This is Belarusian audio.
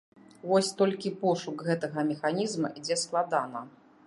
Вось толькі пошук гэтага механізма ідзе складана.